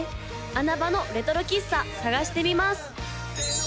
穴場のレトロ喫茶探してみます！